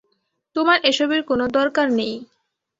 তোমার এসবের কোনো দরকার নেই।